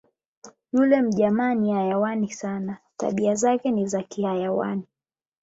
"Yule mjamaa ni hayawani sana, tabia zake ni za kihayawani"